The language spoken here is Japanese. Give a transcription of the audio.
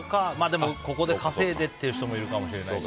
でもここで稼いでっていう人もいるのかもしれない。